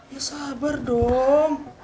ya sabar dong